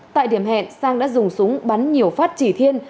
tại điểm hẹn sang đã dùng súng bắn nhiều phát chỉ thiên